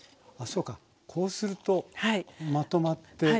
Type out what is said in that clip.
ああそうかこうするとまとまって。